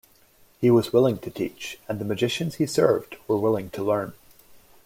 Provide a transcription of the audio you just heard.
He was willing to teach and the magicians he served were willing to learn.